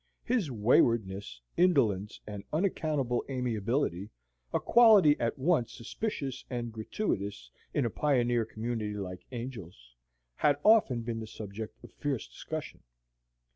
His waywardness, indolence, and unaccountable amiability a quality at once suspicious and gratuitous in a pioneer community like Angel's had often been the subject of fierce discussion.